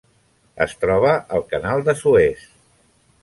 Es troba al Canal de Suez.